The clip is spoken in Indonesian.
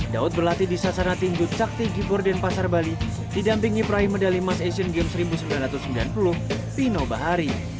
daud berlatih di sasana tinggi cakti gipur dan pasar bali didampingi praih medali mass asian games seribu sembilan ratus sembilan puluh pino bahari